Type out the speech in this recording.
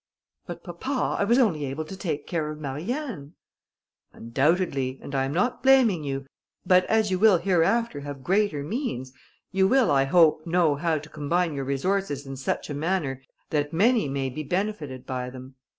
"But, papa, I was only able to take care of Marianne." "Undoubtedly, and I am not blaming you; but as you will hereafter have greater means, you will, I hope, know how to combine your resources in such a manner that many may be benefited by them.